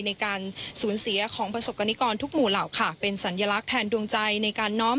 ในการสูญเสียของประสบกรณิกรทุกหมู่เหล่าค่ะเป็นสัญลักษณ์แทนดวงใจในการน้อม